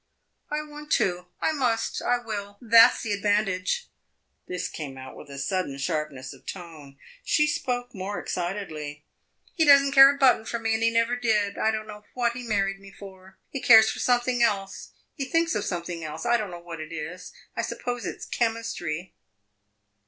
"I want to I must I will! That 's the advantage!" This came out with a sudden sharpness of tone; she spoke more excitedly. "He does n't care a button for me, and he never did! I don't know what he married me for. He cares for something else he thinks of something else. I don't know what it is I suppose it 's chemistry!"